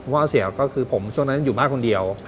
ว่าเสียก็คือผมช่วงนั้นอยู่บ้านคนเดียว